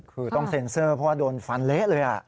ก็คือต้องเซงเซอร์เพราะโดนฟันเละเลย